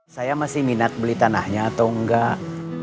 saya masih minat beli tanahnya atau enggak